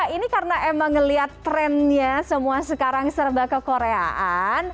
ini karena emang ngeliat trennya semua sekarang serba kekoreaan